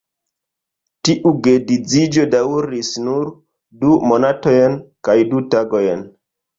Tiu geedziĝo daŭris nur du monatojn kaj du tagojn.